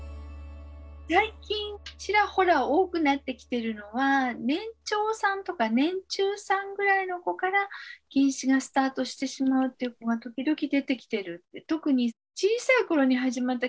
最近ちらほら多くなってきてるのは年長さんとか年中さんぐらいの子から近視がスタートしてしまうっていう子が時々出てきてる。